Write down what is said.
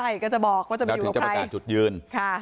ก็จะบอกว่าจะไปอยู่กับใครแล้วถึงจะประกาศจุดยืน